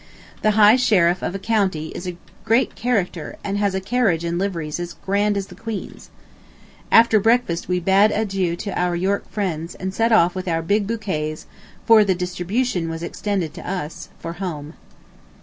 The High Sheriff of a county is a great character and has a carriage and liveries as grand as the Queen's. After breakfast we bade adieu to our York friends, and set off with our big bouquets (for the distribution was extended to us) for home.